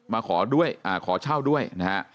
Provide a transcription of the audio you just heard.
มาขอช่าวด้วยนะฮะ